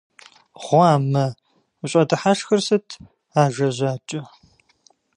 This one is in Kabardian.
Гъуамэ! УщӀэдыхьэшхыр сыт, ажэ жьакӀэ?!